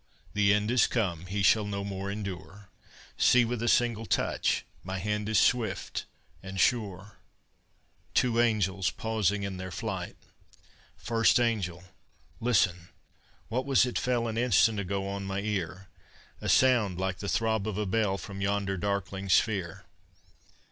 the end is come; He shall no more endure: See! with a single touch! My hand is swift and sure! II Two Angels pausing in their flight. FIRST ANGEL Listen! what was it fell An instant ago on my ear A sound like the throb of a bell From yonder darkling sphere!